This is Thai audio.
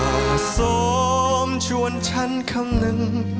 อาโสมชวนฉันคำหนึ่ง